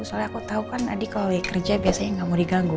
soalnya aku tau kan adi kalau kerja biasanya gak mau diganggu